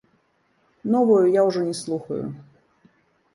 Новую я ўжо не слухаю.